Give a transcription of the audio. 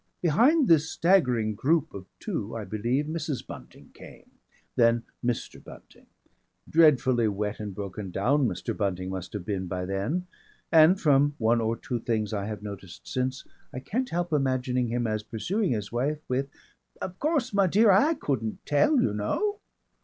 Behind this staggering group of two I believe Mrs. Bunting came. Then Mr. Bunting. Dreadfully wet and broken down Mr. Bunting must have been by then, and from one or two things I have noticed since, I can't help imagining him as pursuing his wife with, "Of course, my dear, I couldn't tell, you know!"